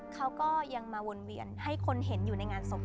เขาก็ยังมาวนเวียนให้คนเห็นอยู่ในงานศพ